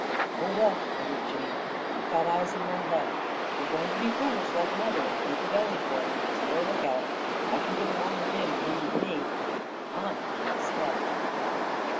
"Oh, well!" muttered Jane, "I've got eyes in my head. If you're goin' to be foolish, like mother, and keep a goin' for 'im, it's your lookout. I kin get along with him and he with me, and I'M goin' to stay."